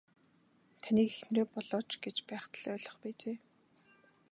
Таныг эхнэрээ болооч гэж байхад л ойлгох байжээ.